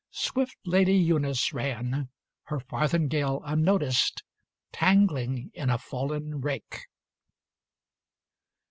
Swift Lady Eunice ran, her farthingale, Unnoticed, tangling in a fallen rake.